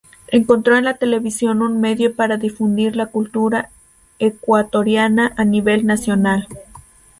Encontró en la televisión un medio para difundir la cultura ecuatoriana a nivel nacional.